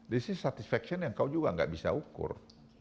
this is statisfaction yang kau juga nggak bisa ukur